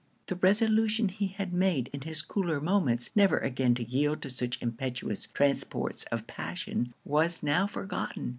The resolution he had made in his cooler moments, never again to yield to such impetuous transports of passion, was now forgotten.